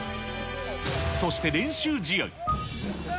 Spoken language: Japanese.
そして練習試合。